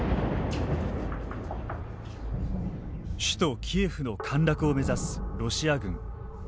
首都キエフの陥落を目指すロシア軍。